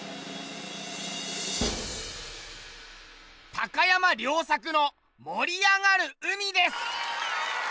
高山良策の「盛りあがる海」です。